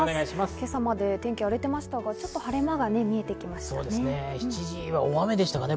今朝まで天気荒れていましたが、晴れ間が見えてきましたね。